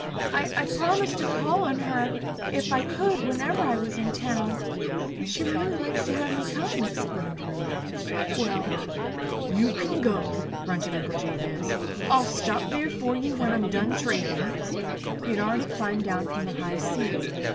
"I I promised to call on her if I could whenever I was in town. She really likes to have me come," explained Ruth. "Well, you can go," grunted Uncle Jabez. "I'll stop there for ye when I'm done tradin'." He had already climbed down from the high seat.